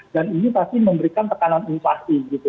dan ini pasti memberikan tekanan inflasi gitu